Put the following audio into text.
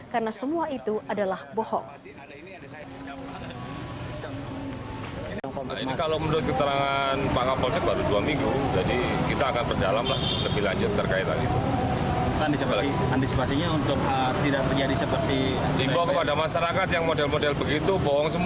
karena semua itu adalah bohong